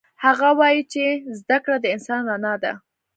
هغه وایي چې زده کړه د انسان رڼا ده